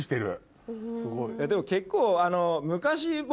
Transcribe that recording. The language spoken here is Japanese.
でも結構昔。